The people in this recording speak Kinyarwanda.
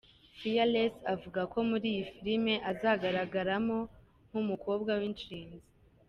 Fearless avuga ko muri iyi film azagaragaramo nk'umukobwa w'inshinzi.